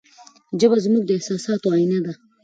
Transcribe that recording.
ژبه زموږ د احساساتو آینه ده.